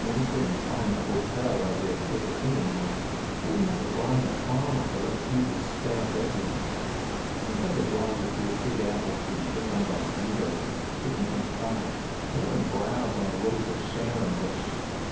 We couldn't find a hotel where they'd take us in that night, so we had to bribe a farmer to let us use his spare bed rooms. We tethered Rajah to a big apple tree just under our windows to keep him quiet, and let him browse on a Rose of Sharon bush.